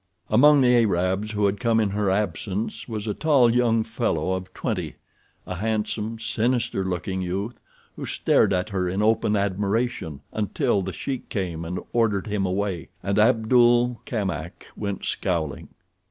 Among the Arabs who had come in her absence was a tall young fellow of twenty—a handsome, sinister looking youth—who stared at her in open admiration until The Sheik came and ordered him away, and Abdul Kamak went, scowling.